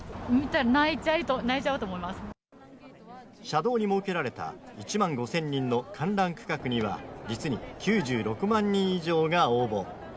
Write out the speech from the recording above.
車道に設けられた１万５０００人の観覧区画には、実に９６万人以上が応募。